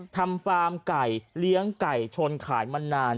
ฟาร์มไก่เลี้ยงไก่ชนขายมานาน